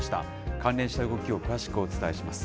関連した動きを詳しくお伝えします。